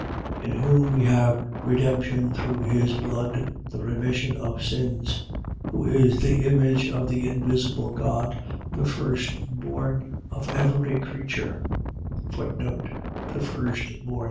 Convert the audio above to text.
In whom we have redemption through his blood, the remission of sins: 1:15. Who is the image of the invisible God, the firstborn of every creature: The firstborn.